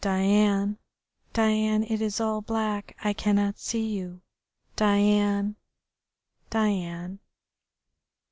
Diane, Diane, it is all black. I cannot see you, Diane, Diane...."